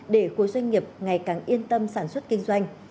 để khối doanh nghiệp ngày càng yên tâm sản xuất kinh doanh